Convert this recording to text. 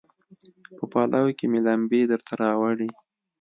په پلو کې مې لمبې درته راوړي